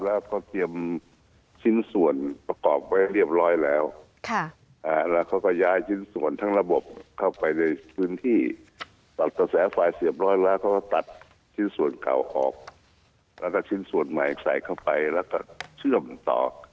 แล้วก็ส่วนใหม่ใส่เข้าไปแล้วก็เชื่อมต่อ